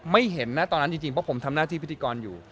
เห็นนะตอนนั้นจริงเพราะผมทำหน้าที่พิธีกรอยู่